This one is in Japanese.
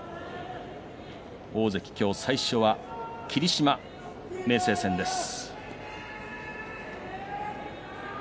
大関、今日、最初は霧島、明生戦です。